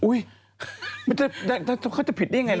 อุ๊ยมันจะเขาจะผิดได้ยังไง